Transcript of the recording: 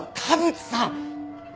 田淵さん！